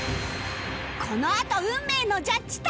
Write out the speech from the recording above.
このあと運命のジャッジタイム